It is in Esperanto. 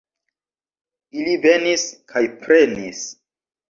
Ili venis kaj prenis!